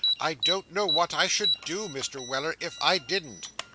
I don't know what I should do, Mr. Weller, if I didn't.